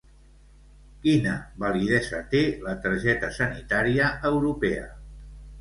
Quina validesa té la targeta sanitària europea?